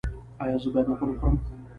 ایا زه باید نخود وخورم؟